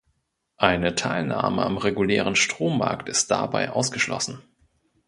Eine Teilnahme am regulären Strommarkt ist dabei ausgeschlossen.